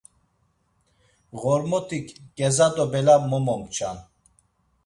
Ğormotik ǩeza do bela mo momçan.